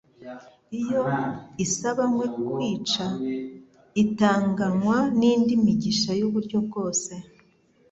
iyo isabanywe kwica itanganwa n'indi migisha y'uburyo bwose.